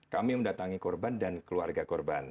kami mendatangi korban dan keluarga korban